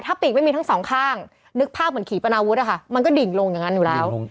ถ้าปีกไม่มีทั้งสองข้างนึกภาพเหมือนขี่ปนาวุธมันก็ดิ่งลงอย่างนั้นอยู่แล้ว